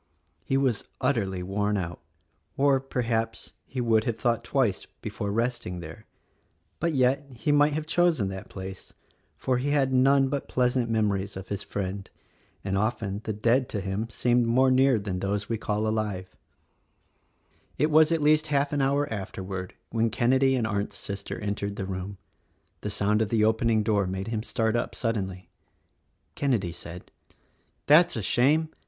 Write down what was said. He was utterly worn out, or, perhaps, he would have thought twice before resting there; but, yet, he might have chosen that place, for he had none but pleasant memories of his friend — and often the dead to him seemed more near than those we call alive. THE RECORDING ANGEL 99 It was at least half an hour afterward when Kenedy and Arndt's sister entered the room. The sound of the opening door made him start up suddenly. Kenedy said, "That's a shame!